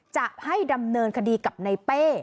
จะให้ดำเนินคดีกับในเป้